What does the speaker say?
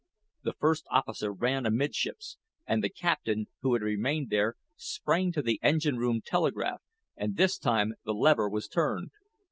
The first officer ran amidships, and the captain, who had remained there, sprang to the engine room telegraph, and this time the lever was turned.